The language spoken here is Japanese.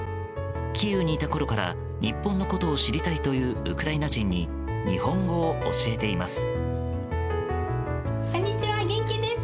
キーウにいたころから日本のことを知りたいというウクライナ人に日本語を教えています。